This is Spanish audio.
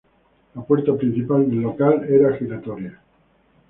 La puerta principal del local era giratoria.